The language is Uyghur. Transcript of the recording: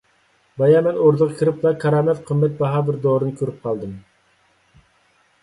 بايا مەن ئوردىغا كىرىپلا كارامەت قىممەت باھا بىر دورىنى كۆرۈپ قالدىم.